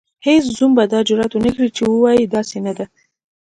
هیڅ زوم به دا جرئت ونکړي چې ووايي داسې نه ده.